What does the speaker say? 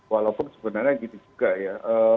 walaupun sebenarnya gini juga ya